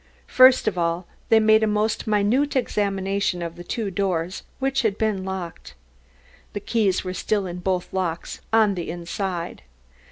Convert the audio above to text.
First of all, they made a most minute examination of the two doors which had been locked. The keys were still in both locks on the inside.